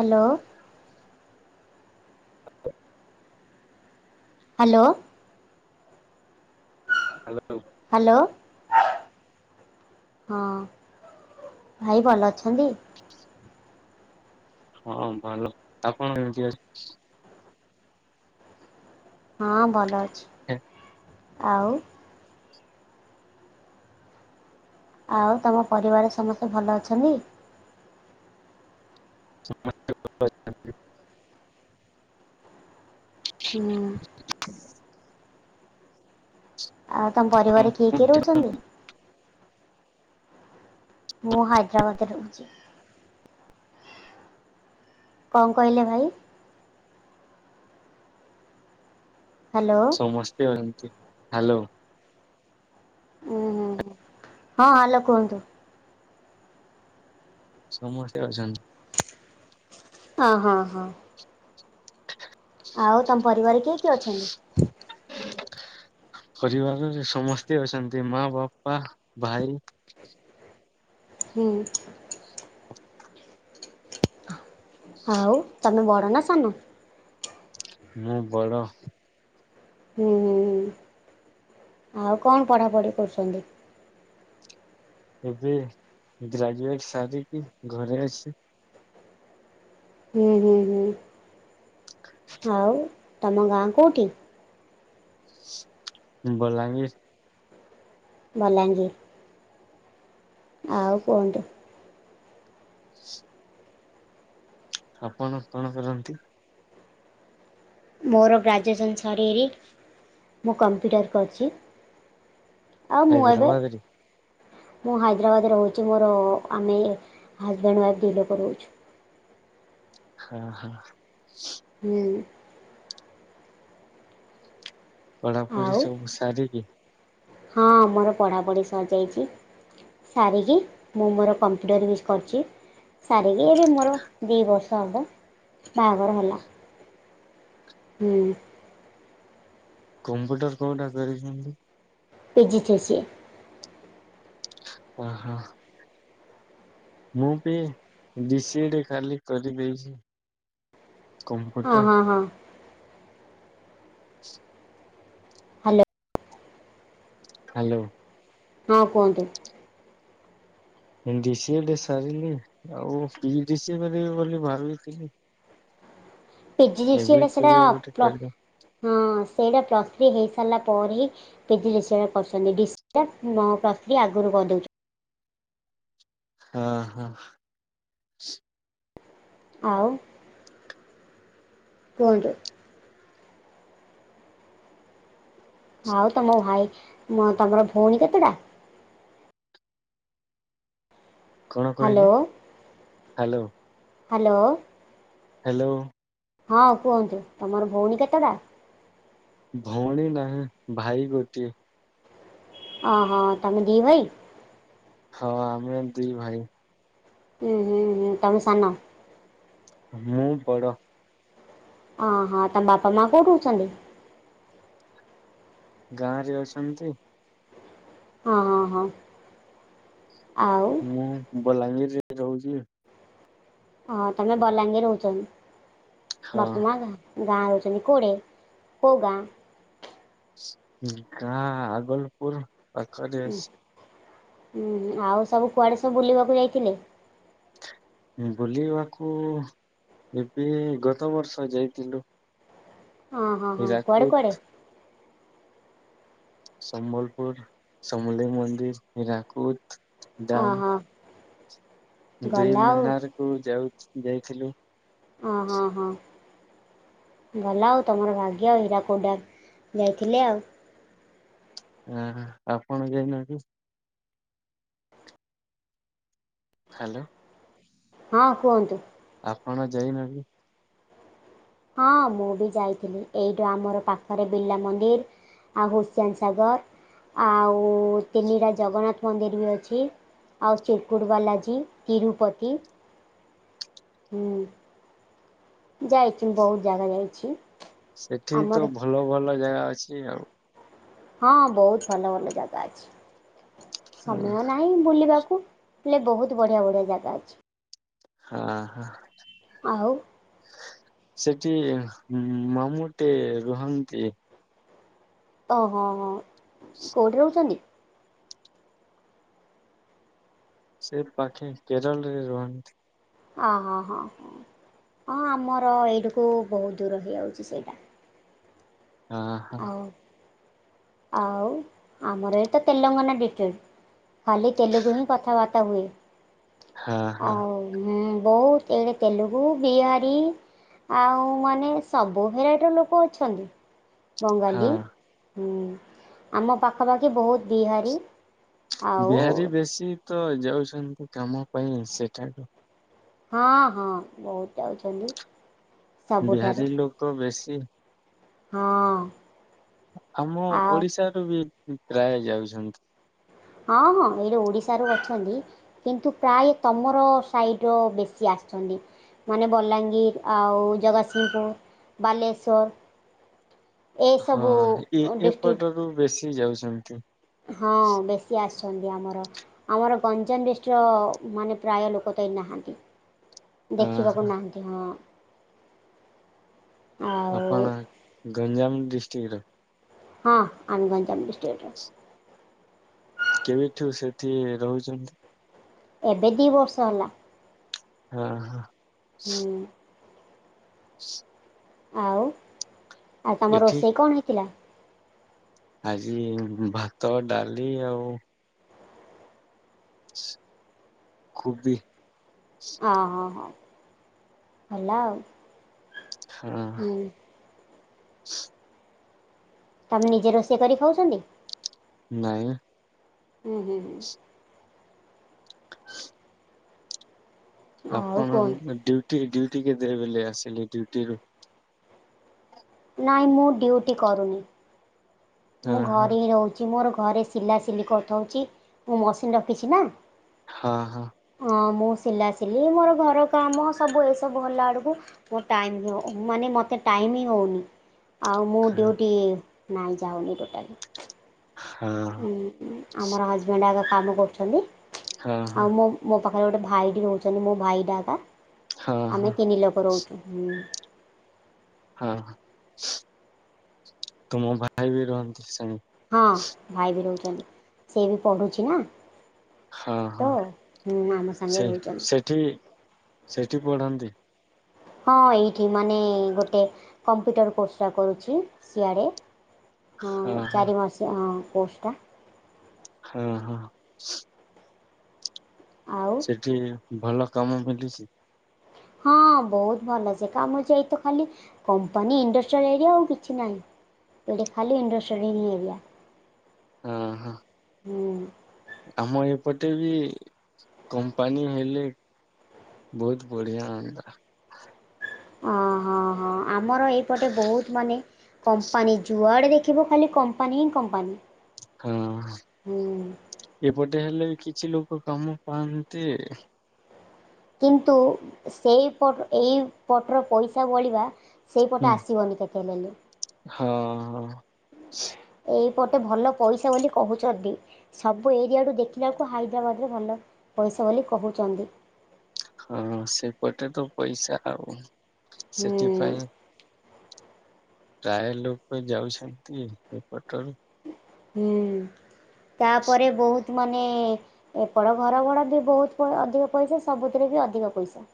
Hello. [unintelligible] Hello. Hello. Hello. ହଁ ଭାଇ ଭଲ ଅଛନ୍ତି? ହଁ ଭଲ ଆପଣ କେମିତି ଅଛ ହଁ ଭଲ ଅଛି। ହଁ [unintelligible] ଆଉ ଆଉ ତମ ପରିବାର ସମସ୍ତେ ଭଲ ଅଛନ୍ତି? ହ [unintelligible] [unintelligible] ହୁଁ [unintelligible] ଆଉ ତମ ପରିବାର କିଏ କିଏ ରହୁଛନ୍ତି? ମୁଁ ହାଇଦ୍ରାବାଦରେ ରହୁଛି। କ କହିଲେ ଭାଇ? ହ୍ୟାଲୋ। ସମସ୍ତେ ଅହନ୍ତି ହ୍ୟାଲୋ। ଉୁଁ ହୁଁ ହୁଁ ହଁ ହାଲୋ କୁହନ୍ତୁ? ସମସ୍ତେ ଅଛନ୍ତି। ହଁ ହଁ ହଁ। ଆଉ ତମ ପରିବାର କିଏ କିଏ ଅଛନ୍ତି? ପରିବାରରେ ସମସ୍ତେ ଅଛନ୍ତି ମା ବାପା ଭାଇ ହୁଁ। [unintelligible] ଆଉ ତମେ ବଡ଼ ନା ସାନ? ମୁଁ ବଡ ହୁଁ ହୁଁ ହୁଁ। ଆଉ କଣ ପଢ଼ାପଢ଼ି କରୁଛନ୍ତି? ଏଯୁ ଗ୍ରାଜୁଏଟ ସାରିକି ଘରେ ଅଛି। ହୁଁ ହୁଁ ହୁଁ। ହ [unintelligible] ହଉ ତମ ଗାଁ କୋଉଠି? ବଲାଙ୍ଗୀର। ଭଲାଙ୍ଗୀ ଆଉ କୁହନ୍ତୁ? ଆପଣ କଣ କରନ୍ତି? ମୋର ଗ୍ରାଜୁଏସନ୍ ସରରି ମୁଁ କମ୍ପ୍ୟୁଟର କରୁଛି। ଆ ମୁଁ ଏବେ ହାଇଦ୍ରାବାଦରେ ମୁଁ ହାଇଦ୍ରାବାଦ ରହୁଛି ମୋର ଆମେ ହଜବେଣ୍ଡ ୱାଇଫ୍ ଡିଲୋକରେ ଅଛୁ। ହଁ ହଁ। ହୁଁ ପଢାପଢି ଆଉ ସବୁ ସାରିକି ହଁ ମୋର ପଢାପଢି ସରିଯାଇଛି। ସାରିକି ମୁଁ ମୋର କମ୍ପ୍ୟୁଟର ୟୁଜ୍ କରୁଛି। ସାରିକି ଏବେ ମୋର ଦୁଇ ବର୍ଷ ହେବ ବାହାଘର ହେଲା। ହୁଁ କମ୍ପ୍ୟୁଟର କୋଉଟା କରିଛନ୍ତି? ପିଜିଡିସିଏ ଓହୋ ମୁଁ ବି ପିଜି ସିିଡି ଖାଲି କରିଦେଇଛି। ଅହଁ କମ୍ପ୍ୟୁଟର ହଁ ହଁ [unintelligible] ହ୍ୟାଲୋ ହାଲୋ ହଁ କୁହନ୍ତୁ। ଏନଡିସିଏ [inaudible] ସାରିଲି ଆଉ ପିଜିଡିସି କରିବି ବୋଲି ଭାବଥିଲି। ପିଜିଡିସିଏ ଟା କେବେ ଗୋଟେ ପ୍ଲ କରିବ ହଁ ସେଇଟା ହଁ ସେଇଟା ପ୍ଲସ୍ ଥ୍ରୀ ହେଇ ସାରିଲା ପରେ ହିଁ ପିଜିଡିସିଏ କରୁଛନ୍ତି ଡିସି [inaudible] ମୋ ପ୍ଲସଥ୍ରୀ ଆଗରୁ କରିଦଉଛି। ହଁ ହଁ ଆଉ କୁହନ୍ତୁ। ଆଉ ତମ ଭାଇ ତମର ଭଉଣୀ କେତେଟା? କଣ ହାଲୋ କହିଲେ ହ୍ୟାଲୋ ହାଲୋ ହେଲୋ ହଁ କୁହନ୍ତୁ। ତମର ଭଉଣୀ କେତେଟା? ଭଉଣୀ ନାହିଁ ଭାଇ ଗୋଟିଏ। ଅହ। ତମେ ଦି ଭାଇ? ହଁ ଆମେ ଦି ଭାଇ। ହୁଁ ହୁଁ ହୁଁ ତମେ ସାନ? ମୁଁ ବଡ଼। ଅହ। ତମ ବାପା ମା କୋଉଠୁ ଅଛନ୍ତି? ଗାଁରେ ଅଛନ୍ତି। ଅହଁ ହଁ ହଁ ଆଉ ମୁଁ ବଲାଙ୍ଗୀରରେ ରହୁଛି। ଅ ତମେ ବଲାଙ୍ଗୀର ରହୁଛନ୍। ହଁ। ବାପ ମା ଗାଁରେ। ଗାଁ ରେ ରହୁଛନ୍ତି। କୋଉଠି କୋଉ ଗାଁ? ଗାଁ ଆଗଲପୁର ପାଖରେ ଉହୁଁ। ଆଉ ସବୁ କୁଆଡ଼େ ସବୁ ବୁଲିବାକୁ ଯାଇଥିଲେ? ବୁଲିବାକୁ ଏବେ ଗତ ବର୍ଷ ଯାଇଥିଲୁ। ହଁ ହଁ ହଁ କୁଆଡ଼େ କୁଆଡ଼େ ହୀରାକୁଦ। ସମ୍ବଲପୁର ସମଲେଇ ମନ୍ଦିର ହୀରାକୁଦ। ଅ ଡ୍ୟାମ୍ ହଁ ଦୁଇ ମିନାର କୁ ଯାଉ ଯାଇଥିଲୁ। ଅ ହଁ ହଁ ଭଲ ଆଉ ତମର ଭାଗ୍ୟ ଆଉ ହୀରାକୁଦ ଡ଼୍ୟାମ ଯାଇଥିଲେ ଆଉ। ନା ନା ଆ ଆପଣ ଯାଇନାହାନ୍ତି? ଖାଲୋ ହଁ କୁହନ୍ତୁ। ଆପଣ ଯାଇନାହାନ୍ତି? ହଁ ମୁଁ ବି ଯାଇଥିଲି ଏଇଠୁ ଆମର ପାଖରେ ବିଲ ମନ୍ଦିର୍ ଆଉ ହୁସ୍ୟାନ୍ ସାଗର୍ ଆଉ ତିନିଟା ଜଗନ୍ନାଥ ମନ୍ଦିର ବି ଅଛି। ଆଉ ଚେକୁଡ଼ ବାଲାଜୀ ତିରୁପତି ହୁଁ। ଯାଇଚି ବହୁତ୍ ଜାଗା ଯାଇଛି। ସେଠି ତ ଆମର ଭଲ ଭଲ ଜାଗା ଅଛି ଆଉ। ହଁ ବହୁତ୍ ଭଲ ଭଲ ଜାଗା ଅଛି। ସମୟ ନାହିଁ ବୁଲିବାକୁ ହେଲେ ବହୁତ୍ ବଢିଆ-ବଢିଆ ଜାଗା ଅଛି। ହାଁ ହା। ଆଉ। ସେଠି ଉଁ ମାମୁଁ ଟେ ରୁହନ୍ତି। ଓ ହଁ-ହଁ କୋଉଠି ରହୁଛନ୍ତି? ସେ ପାଖେ କେରଳରେ ରୁହନ୍ତି। ଆ ହଁ-ହଁ-ହଁ-ହଁ ଆମର ଏଇଠିକୁ ବହୁତ ଦୂର ହେଇଆଉଚି ସେଇଟା। ହଁ ହଁ ଆଉ-ଆଉ ଆମର ଏଇଟା ତେଲଙ୍ଗାନା ଡିଷ୍ଟ୍ରିକ୍ଟ୍। ଖାଲି ତେଲୁଗୁ ହିଁ କଥାବାର୍ତ୍ତା ହୁଏ। ହଁ ହଁ। ଆଉ ହୁଁ ବହୁତ୍ ଏଇଟା ତେଲୁଗୁ, ବିହାରୀ ଆଉ ମାନେ ସବୁ ଭେରାଇଟିର ଲୋକ ଅଛନ୍ତି। ବଙ୍ଗାଲୀ ହଁ ହୁଁ ଆମ ପାଖାପାଖି ବହୁତ ବିହାରୀ। ଆଉ ବିହାରୀ ବେଶୀ ତ ଯାଉଛନ୍ତି କାମ ପାଇଁ ସେଠାକୁ। ୍ ହଁ-ହଁ ବହୁତ୍ ଯାଉଛନ୍ତି। ଉଁ ସବୁଠାରେ ବିହାରୀ ଲୋକ ବେଶୀ। ହଁ। ଆମ ଆଉ ଓଡିଶାରୁୁ ବି ଉ ପ୍ରାୟ ଯାଉଛନ୍ତି। ହଁ-ହଁ ଏଇଟୁ ଓଡିଶାରୁ ଅଛନ୍ତି। କିନ୍ତୁ ପ୍ରାୟେ ତମର ସାଇଡ଼ର ବେଶୀ ଆସିଛନ୍ତି। ମାନେ ବଲାଙ୍ଗୀର୍ ଆଉ ଜଗତସିଂହପୁର ବାଲେଶ୍ଵର। ହଁ ଏ ଏପଟରୁ ବେଶୀ ଯାଉଛନ୍ତି। ହଁ ବେଶୀ ଆସିଛନ୍ତି ଆମର। ଆମର ଗଞ୍ଜାମ ଡିଷ୍ଟ୍ ର ମାନେ ପ୍ରାୟ ଲୋକ ତ ଏଇଟ୍ ନାହାଁନ୍ତି। ହଁ। ଦେଖିବାକୁ ନାହାଁନ୍ତି ହଁ। ଆଉ ଆପଣା ଗଞ୍ଜାମ ଡିଷ୍ଟ୍ରିକ୍ ର? ହଁ ଆମେ ଗଞ୍ଜାମ ଡିଷ୍ଟ୍ରିକ୍ଟ୍ ର। କେବେଠୁ ସେଠି ରହୁଛନ୍ତି? ଏବେ ଦି ବର୍ଷ ହଲା। ଅ ହଁ। ହୁଁ। ସ୍। ଆଉ ଆଉ ତମର ଏଠି ରୋଷେଇ କଣ ହେଇଥିଲା? ଆଜି ଉଁ ଭାତ ଡାଲି ଆଉ ସ୍ କୋବି ଅଁ ହଁ ହଁ ହେଲା ଆଉ। ହଁ। ହୁଁ ତମେ ନିଜେ ରୋଷେଇ କରି ଖାଉଛନ୍ତି? ନାଇଁ। ହୁଁ ହୁଁ ସି। ହୁଁ। ସି [unintelligible] ଆଉ ଆପଣ କଣ ଡିଉଟି ଡିଉଟି କେତେ ବେଲେ ଆସିଲେ ଡିଉଟିରୁ? ନାଇଁ ମୁଁ ଡ୍ୟୁଟି କରୁନି। ହଁ ମୁଁ ହଁ ଘରେ ହିଁ ରହୁଚି। ମୋର ଘରେ ସିଲାସିଲି କଥଉଚି। ମୁଁ ମସିନ୍ ରଖିଚି ନା। ହଁ-ହଁ। ହଁ ମୁଁ ସିଲାସିଲି ମୋର ଘର କାମ ସବୁ ଏସବୁ ହଲା ଆଡ଼କୁ ମୋ ଟାଇମ ମ ଓ ମାନେ ମୋତେ ଟାଇମ ହି ହଉନି। ଆଉ ମୁଁ ହଁ ଡ୍ୟୁଟି ନାଇଁ ଯାଉନି ଟୋଟାଲି। ହଁ ଉଁ-ଉଁ ଆମର ହଜବେଣ୍ଡ ଆଗା କାମ କରୁଛନ୍ତି। ହଁ ହଁ ହଁ ଆଉ ମୁଁ ମୋ ପାଖରେ ଗୋଟେ ଭାଇଟି ରହୁଛନ୍ତି। ମୋ ଭାଇଟା ଆକା। ହଁ ହଁ ଆମେ ତିନି ଲୋକ ରହୁଚୁ ହୁଁ। ହଁ ତୁମ ଭାଇ ବି ରୁହନ୍ତି ସାଙ୍ଗ ହଁ ଭାଇ ବି ରହୁଛନ୍ତି ସି ବି ପଢ଼ୁଛି ନା। ହଁ ହଁ ତ ହୁଁ ଆମ ସେ ସାଙ୍ଗେ ରହୁଛନ୍ତି। ସେଠି ସେଠି ପଢ଼ନ୍ତି। ହଁ ଏଇଠି ମାନେ ଗୋଟେ କମ୍ପ୍ୟୁଟର କୋର୍ସଟା କରୁଛି ସିଆଡ଼େ ହଁ ଚାରି ମାସ ହଁ କୋସ ଟା। ହଁ ହଁ। ଆଉ ସେଠି ଭଲ କାମ ମିଳୁଛି। ହଁ ବହୁତ ଭଲ ସେ କାମୁଛି ଏଇତ ଖାଲି କମ୍ପାନୀ ଇଣ୍ଡଷ୍ଟ୍ରିଆଲ ଏରିଆ ଆଉ କିଛି ନାହିଁ। ଇଆଡେ ଖାଲି ଇଣ୍ଡ୍ରଷ୍ଟ୍ରୟଲ ଏରିଆ। ହଁ ହୋ। ହୁଁ। ଆମ ଏପଟେ ବି କମ୍ପାନୀ ହେଲେ। ବହୁତ ବଢିଆ ହଅନ୍ତା। ଅ ହଁ ହଁ ଆମର ଏଇପଟେ ବହୁତ ମାନେ କମ୍ପାନୀ ଯୁଆଡ଼େ ଦେଖିବ ଖାଲି କମ୍ପାନୀ ହିଁ କମ୍ପାନୀ। ହଁ। ହୁଁ ଏପଟେ ହେଲେ ବି କିଛି ଲୋକ କାମ ପାଆନ୍ତି। କିନ୍ତୁ ସେଇ ପଟ ଏଇ ପଟର ପଇସା ବଳିବା ହୁଁ ସେଇପଟେ ଆସିବନି କେତେ ହେଲେ। ହଁ। ଏଇପଟେ ଭଲ ପଇସା ବୋଲି କହୁଛନ୍ତି। ସବୁ ଏରିଆଠୁ ଦେଖିଲା ବଳକୁ ହାଇଦ୍ରାବାଦରେ ଭଲ ପଇସା ବୋଲି କହୁଛନ୍ତି। ହଁ ସେପଟେ ତ ପଇସା ଆଉ ହୁଁ ସେଥିପାଇଁ ପ୍ରାୟ ଲୋକ ଯାଉଛନ୍ତି ଏପଟରୁ। ହଁ ତାପରେ ବହୁତ ମାନେ ଏପଟ ଘର ଭଡା ବି ବହୁତ ଅଧିକ ପଇସା ସବୁଥିରେ ବି ଅଧିକ ପଇସା।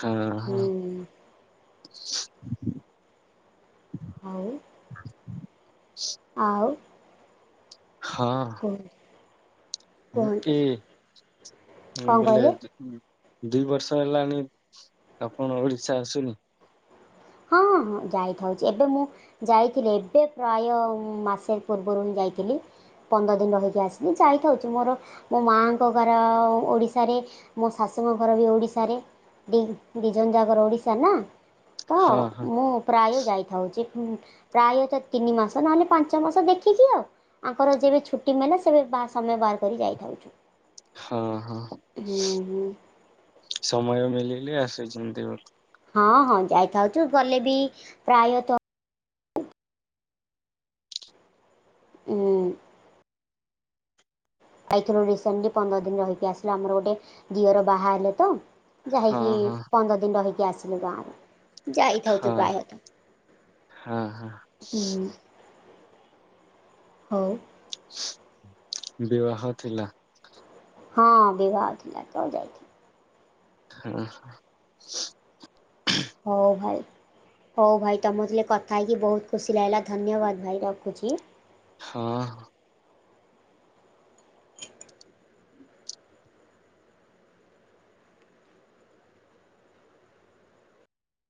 ହଁ ହଁ। ହୁଁ ଆଉ ଆଉ ହଁ। [inaudible] ହୁଁ ଗୋଟେ କଣ କହିଲେ? ଦି ବର୍ଷ ହେଲାଣି ଆପଣ ଓଡିଶା ଆସୁନି? ହଁଁ ହଁ ଯାଇଥାଉଛି ଏବେ ମୁଁ ଯାଇଥିଲି ଏବେ ପ୍ରାୟ ମାସେ ପୂର୍ବୁରୁ ହିଁ ଯାଇଥିଲି ପନ୍ଦର ଦିନି ରହିକି ଆସିିଲି ଯାଇଥାଉଛି ମୋର ମୋ ମାଆଙ୍କ ଘର ଓଡ଼ିଶାରେ। ମୋ ଶାଶୁଙ୍କ ଘର ବି ଓଡ଼ିଶାରେ ଦି ଦିଜନ ଜାକର ଓଡ଼ିଶା ନା। ତ ହଁ ହଁ। ମୁଁ ପ୍ରାୟ ଯାଇଥାଉଛି ପ୍ରାୟତ ତିନି ମାସ ନହେଲେ ପାଞ୍ଚ ମାସ ଦେଖିକି ଉ। ଆଙ୍କର ଯେବେ ଛୁଟି ମେଲେ ସେବେ ବା ସମୟ ବାହାର କରି ଯାଇଥାଉଛୁ। ହଁ ହଁ ହୁଁ ହୁଁ ସମୟ ମିଲିଲେ ଆସୁଛନ୍ତି ଉ। ହଁ ହଁ ଯାଇଥାଉଛୁ ଗଲେ ବି ପ୍ରାୟତ ହୁଁ ଯାଇଥିଲୁ ରିସେଣ୍ଟ୍ ଲି ପନ୍ଦର ଦିନି ରହିକି ଆସିଲୁ ଆମର ଗୋଟେ ଦିଅର ବାହା ହେଲେ ତ ଯାଇକି ହଁ ପନ୍ଦର ଦିନି ରହିକି ଆସିଲୁ ଗାଁରେ ଯାଇଥାଉଚୁ ହଁ ପ୍ରାୟେ। ହଁ ହଁ। ହୁଁ। ହଉ ବିବାହ ଥିଲା‌? ହଁ ବିିବାହ ଥିଲାତ ଯାଇଥି ହୁଁ। ହଉ ଭାଇ। ହଉ ଭାଇ ତମ ଜିଏ କଥା ହେଇକି ବହୁତ୍ ଖୁସି ଲାଗିଲା ଧନ୍ୟବାଦ୍ ଭାଇ ରଖୁଛି। ହଁ।